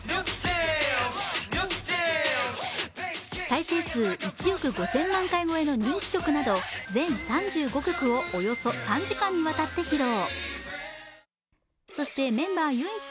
再生数１億５０００万回超えの人気曲など全３５曲をおよそ３時間にわたって披露。